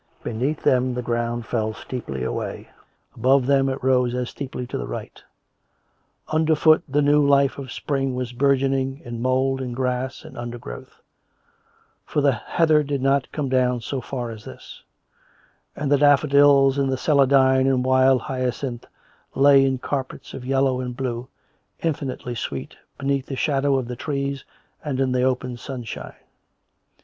Beneath them the ground fell steeply away, above them it rose as steeply to the right. Underfoot the new life of spring was bourgeon ing in mould and grass and undergrowth; for the heather did not come down so far as this; and the daffodils and celandine and wild hyacinth lay in carpets of yellow and COME RACK! COME ROPE! 97 blue, infinitely sweet, beneath the shadow of the trees and in the open sunshine.